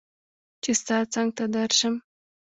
چې ستا څنګ ته درشم